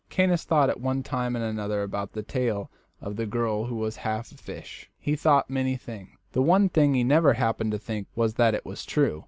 Caius thought at one time and another about this tale of the girl who was half a fish. He thought many things; the one thing he never happened to think was that it was true.